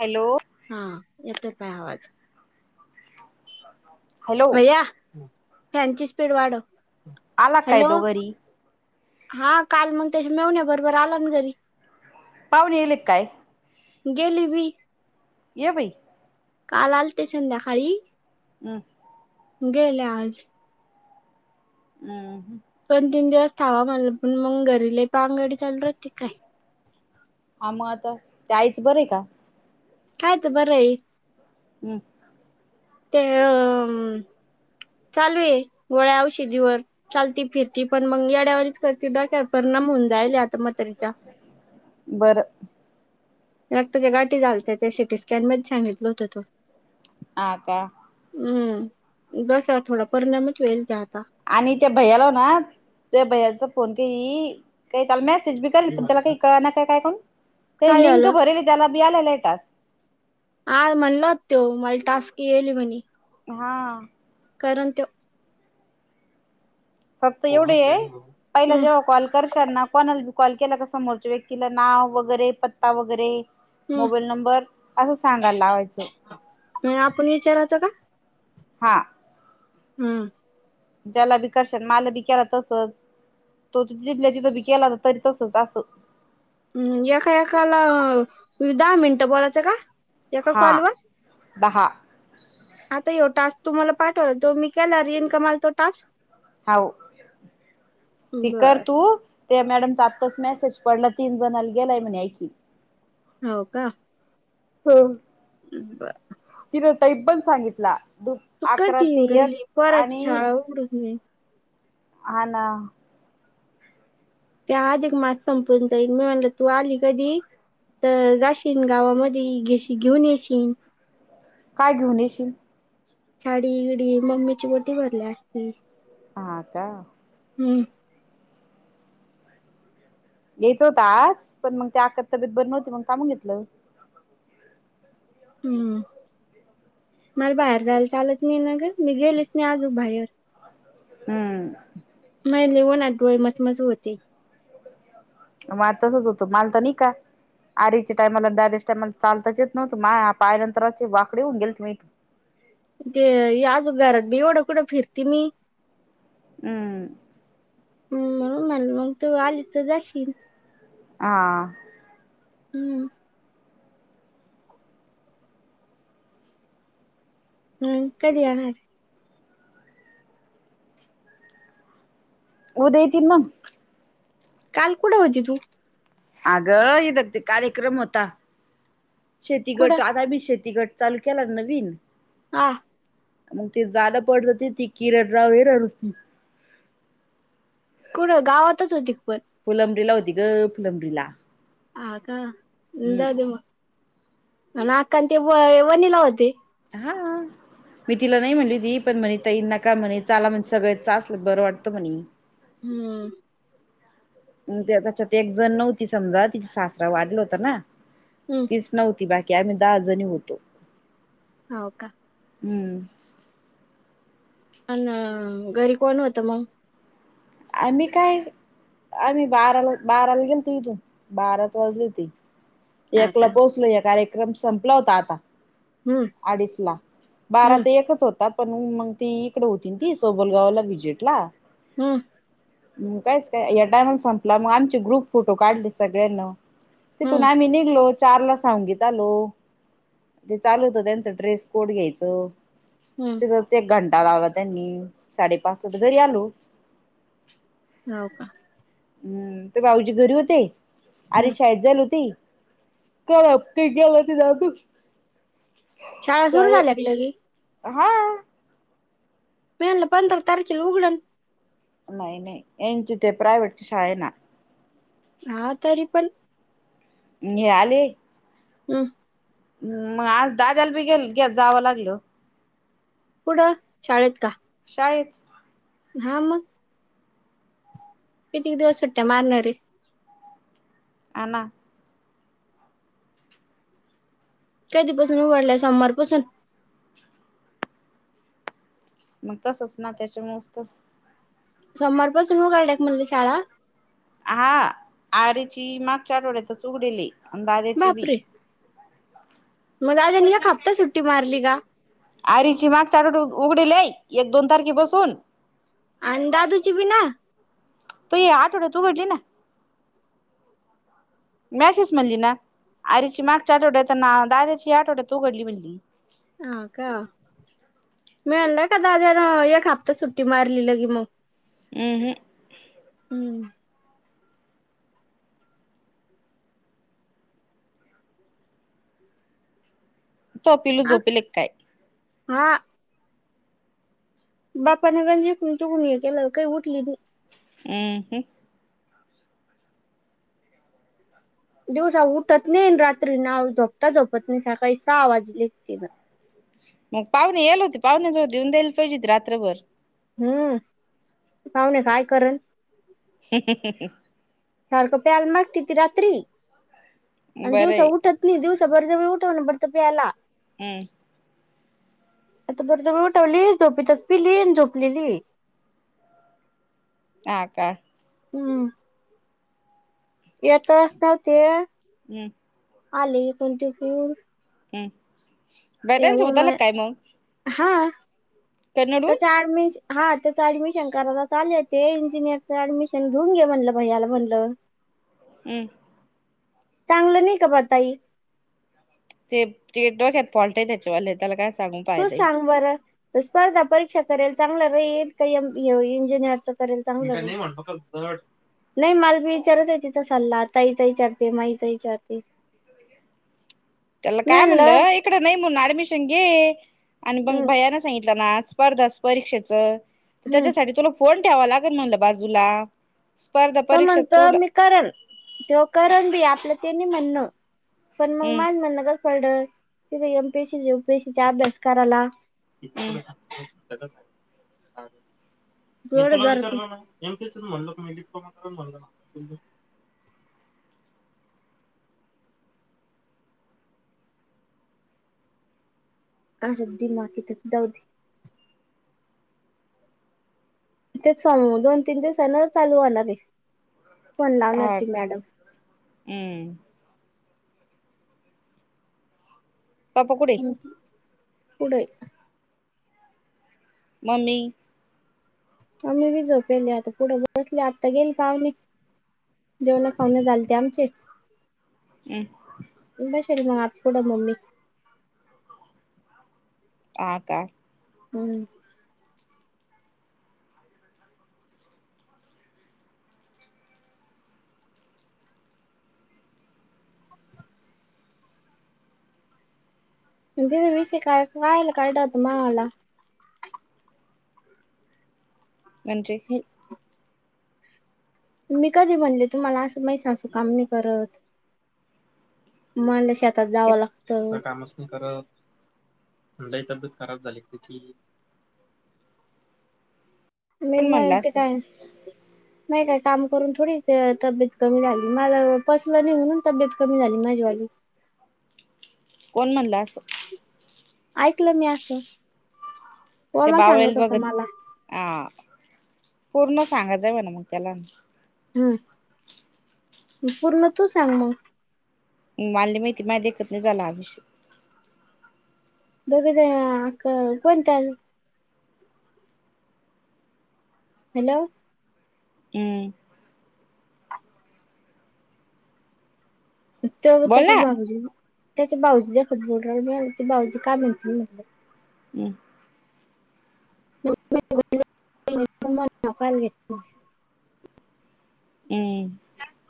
Hello हा येतोय का आवाज? हॅलो भैया फॅनची स्पीड वाढव. आला काय हॅलो तो घरी. हा काल मग त्याच्या मेवन्या बरोबर आला ना घरी. पाहुणे यायलेत काय? गेली बी. ये भाई. काल आलते संध्याकाळी. हम्म गेले आज. हम्म दोन तीन दिवस थांबा म्हटला पण मग घरीले पगडी चालू होती काय. आ मग आता ते आईच बरे का? कायच बरंय. हम्म ते चालू आहे गोळ्या औशिधीवर चालती फिरती पण मग यड्यावानी तीच्या परिणाम होवून जायल आता म्हतारीच्या. बरं रक्तच्या गाठी झालत ते सिटी स्कॅन मध्ये सांगितलं होतं तो हां का. हम् बस हा थोडा परिणामच होईल त्यात. आणि त्या भैयाला हो ना त्या भैयाचा फोन का काही चाल मस त्या [unintelligible] का काय लिंक भरली त्याला आला लेट हा म्हणलत तो मला टास्क येल म्हणुण. हां कारण ते फक्त एवढे आहे पहिला हम्म जेव्हा कॉल करशात ना कोणाला कॉल केला क समोरच्या व्यक्तीला नाव वगैरे पत्ता वगैरे हम्म मोबाईल नंबर असं सांगायला लावायच. म आपण विचारचा का? हां हम्म. ज्याला बी कर्शात मला बी केला तसच. तो त जिथल्या तथीबी केला ना तर तरी तसच असं हम्म एका एकाला दहा मिनटं बोलायचं का? येका हा कॉलवर? दहा. आता यो टास्क तुम्हाला पाठवा तो मी केला इनकमाल तो टास्क हाव ती कर बर तू. ते मॅडमचा आत्ताच मेसेज पडला तीन जणला गेलाय म्हणे ऐक. हो का? हम. बरं. ह्यो टाईप पण सांगितला दु आकरा कधी येऊ ते ऐक राहिली पोराची आणि शाळा उघडूच नाही हां ना. त्या आधिक मास संपून जाईल मी म्हणलं तू आली कधी? तर जाशीन गावामध्ये घेशी घेऊन येशीन. काय घेऊन येशील? साडी बीडी मम्मीची वटी भरल्या असती. हां का. हम्म. येयचं होत आज पण मग ते आख तब्येत बरी नव्हती मग थांबून घेतलं. [inaudible] मल बाहेर जायला चालत नाही ना ग मी गेलीच नाही आजू बाहेर. हम्म महि ना उन्हात डोळे मचमज होते. म तसच होत माल तर नाही का आरेच्या टायमाला बॅगेत तर मल चालताच येत नव्हत मा पाय नंतर असे वाकडी होऊन गेल ते मी [unintelligible] ते आजू घरात बी एवढं कुठं फिरती मी. हम्म. म्हणून म मग तू आली तर जाशील. आ. हम्म. हम् कधी येणारे? उद्या येतील मग काल कुठे होती तू? आगं हितं ते कार्यक्रम होता. शेती कुठं गट आलाय बग शेती गट. चालू केला नवीन आ. ते जाड पडत ती किरणराव [unintelligible] हरड कुठं गावातच होती? पण फुलब्रीला होती ग फुलब्रीला. आ का जाऊ दे मग अनं आका ते अ वनीला होते. हां. मी तिला नाही म्हटली ती पण म्हणे ताई नका म्हणे चाला म्हण सगळं चलं बरं वाटतं म्हणे. हम्म. त्याच्यात एक जण नव्हती समजा तिथ सासरा वारला होता ना. हम्म तीच नव्हती बाकी आम्ही दहा जणी होतो. होव का? हम्म. अनं घरी कोण होत मंग? आम्ही काय. आम्ही बाराला बाराला गेलतो इथून बाराच वाजले होते. हा एकला का पोहोचलो या कार्यक्रम संपला होता आता. हम्म अडीच ला बारा हम्म ते एकच होतात. पण मग ती इकडे होती ती सोबलगावला विजेटला‌ हम्म कायच काय या टाईमला संपला मग आमचे ग्रुप फोटो काढले सगळ्यांना. तेथून हम्म आम्ही निघलोत. चारला सांगलीत आलो ते चालू होत त्यांचं ड्रेस कोड घ्यायचं. हम्म एक घंटा लावला त्यांनी साडेपाच तर घरी आलो. हो का. हम्म ते भाऊजी घरी होते हम्म आर्वी शाळेत जाईल होती. कारा ते गला तर जा तू शाळा सुरू झाल्या हा... पहील्या पंधरा तारखेला उघडन नाही नाहीन यांची प्रायव्हेटची शाळा आहे ना हा तरी पण मिळाले हम् मग आज दादाला बी जावं लागल कुठं शाळेत का? श हा मग कितीक दिवस सुट्ट्या मारणार रे आणा कधीपासून उघडला सोमवारपासून मग तसच ना त्याच्या मस्त सोमवारपासून उघडल्यात म्हणलं शाळा हा आर्वीची मागच्या आठवड्यातच उघडली अन् दादाची बी बापरे मग आजुन एक हप्ता सुट्टी मारली का? आरोहीची मागच्या आठवड्यात उघडेलय एक दोन तारखे पासून. अन् दादूची पण ना तो या आठवड्यात उघडली ना मेसेज म्हणली ना आरोहीची मागच्या आठवड्यात अन्, दादाची आठवड्यात उघडली म्हणली हा का? मी आणलाय का दाद्यान एक हप्ता सुट्टी मारली लगी की मग. हम् हम हम्म तो पिलू झोपले क काय? हा बापाने गणजकून [unintelligible] हे केलं काही उठली नाही. हम् दिवसा उठत नाहीन रात्री ना झोपता झोपत नाही सकाळी सहा वाजलेत तीनं मग पाहुणे याल होती पाहुण्या जवळ देऊन द्यायला पाहिजे रात्रभर. हम्म पाहुणे काय करल? [unintelligible] सारखं प्याल मागती ती रात्री आणि बरं दिवसा आहे उठत नाही दिवस. बरजबरी उठवून बरं प्यायला हम्म आता बरजबरी उठवली झोपतच पिली आणि झोपलेली. आ का? हम्म येता असता ते हम् आले [unintelligible] हम् बैद्यांच सोबता आला काय मग? हा कन्नडून त्याच ऍडमिश हा त्याच ऍडमिशन करायलाच आले होते इंजिनियरचं ऍडमिशन घेऊन घे म्हणलं भैयाला म्हणलं. हम्म चांगलं नाही का पा ताई? ते तेच्या डोक्यात फॉल्ट आहे त्याच्यावाले त्याला काय? सांगू तू फायदा आहे. सांग बरं. ते स्पर्धा परीक्षा करायला चांगलं राहिलं? काय इंजिनियरच करायला चांगलं? नाही माल मी ईचारत नाही तिचा सल्ला, ताईचा ईचारते माईचा ईचारते. [inaudible] त्याला काय म्हणलं इकडं नाही म्हणून ऍडमिशन घे आणि मग हम्म भैयाना सांगितलं ना. स्पर्धा परीक्षेचं तर हम्म त्याच्यासाठी तुला फोन ठेवा लागेल म्हणलं बाजूला. स्पर्धा तो परीक्षा म्हणतो तुड मी करंण तो करंण बी आपलं त्यांनी म्हणं. पण मग हम् माझ म्हणणच पडलं तिथे एम पी सी, तु पी एस सी चा अभ्यास कराला. हम् [unintelligible] तेल सांग मी एम् पी एस् सी म्हणलो मी काय डिप्लोमा [unintelligible] आ सिद्दी मा की त जाऊदे. तेच सांग दोन तीन दिवसांना चालू होणार आहे. पण लावणार हा ती मॅडम. हम्म पापा कुटे? पुढे. मम्मी? आम्ही वि झोपेली आता पुढं बसले आत्ता गेले पावणे. जेवणा खाऊणे झालते आमचे. हम्म. अपोड मम्मी. आ का. हम्म तिचा विषय काय कायला काडात माला. म्हणजे? मी कधी म्हणले तुम्हाला असं मै सासू काम नाही करत. म्हणल्या शेतात ते जावं लागतं. कामचं नाही करत, लय तब्येत खराब झाली का तीची? [inaudible] मी म म्हणलं ते असं काय? नाही काय काम करून थोडी तब्येत कमी झाली माझ पसलं नाही म्हणून तब्येत कमी झाली माझी. वाली कोण म्हणला असं? ऐकलं मी असं. ते ओमा बावळेल सांगत होता बघत मला आ पूर्ण सांगायचव ना मग त्याला हम पूर्ण तू सांग मग. मालानी माहिती माझ्या देखत नाही झाला आ विषय. दोघ जण कोणतंल हॅलो हम्म तो बघ बोल तेच्या ना [unintelligible] त्याचे भाऊजी देखत बोल मिळालं त भाऊजी का म्हणतील. हम्म [unintelligible] हम्म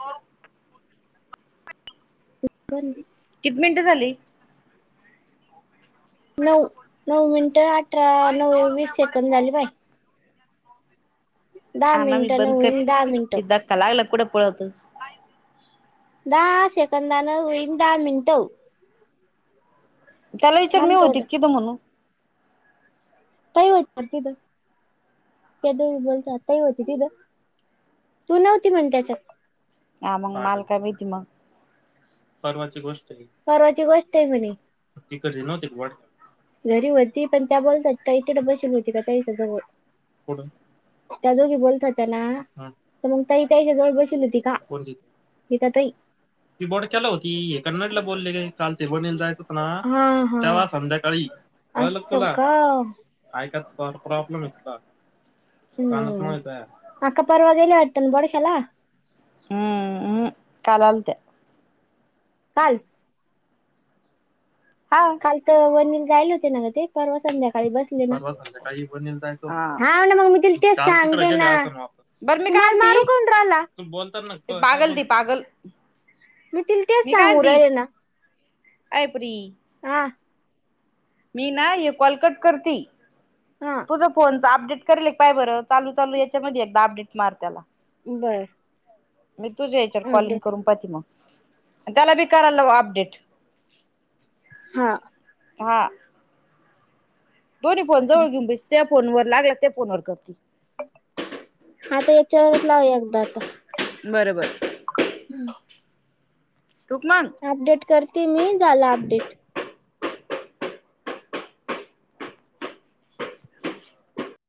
हो. [unintelligible] किती मिनिटं झाली. नऊ नऊ मिनट अठरा नऊ वीस सेकड झाली बाई. दहा आणा मी मिनट न बंद कर होईन दहा मिनट. धक्का लागला कुठं पळत दहा सेकंदान होईन दहा मिनटं. चला विचार मी होते किथं म्हणून. काय वापर [unintelligible] त्या दोघी बोलती आता [unintelligible] तू नव्हती म्हण त्याच्यात ह मंग माला काय माहिती म परवाची गोष्ट ये, परवाची गोष्ट आहे म्हणे, तिकडची नव्हती का [unintelligible] घरी होती पण त्या बोलत्यात का इकडें बश [unintelligible] होती का त्या [unintelligible] जवळ, कुट? त्या दोघी बोलत्या त्या ना, हा तर मंग काई काई हेज्या वर बसवली होती का? कोणती? गीता तई, ती बोड केला होती, हे कन्नडला बोलले के काल ते वनीला जायाच होत ना, हा हा, तेव्हा संध्याकाळी अस का, [unintelligible] ऐका प्रॉर प्रॉब्लेम येत [unintelligible] अम्म्म [unintelligible] अक्का परवा गेल्या वाडत ना बडश्याला हम्म उहू काल आलत्या काल हा काल तर वनीला जायल होते ना ग ते, परवा संध्याकाळी बस [unintelligible] परवा संध्याकाळी वनीला जायचं होत, हा हौ ना मंग मी तिला तेच सांगते ना, काल तिकड गेलं असन मग बरं मी काय तुम्हाला मारू म्हणती कोण राहिला? तु बोलता ना ते काय [unintelligible] पागल बोल ती पागल मी तिल तेच मी काय सांगू म्हणती राहिले ना अय पुरी हा. मी ना ह्य कॉल कट करती, हा तुझ फोन च अपडेट करेल का पाय बरं, चालू चालू याच्यामध्ये एकदा अपडेट मार त्याला बर मी तुझ्या याच्यावर कॉलिंग अपडेट करून पाहती मग त्याला भी कराय लाव अपडेट हा. हा. दोन्ही फोन जवळ घेऊ बैस, त्या फोन वर लागला त्या फोन वर करती आता याच्यावरच लाव एकदा आता बर बर [unintelligible] का मग अपडेट करते मी झाल अपडेट